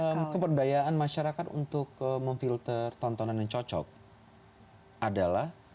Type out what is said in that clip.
nah keberdayaan masyarakat untuk memfilter tontonan yang cocok adalah